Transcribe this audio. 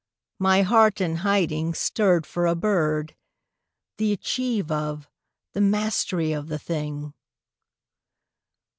My heart in hiding Stirred for a bird, the achieve of, the mastery of the thing!